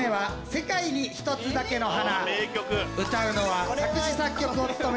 『世界に一つだけの花』。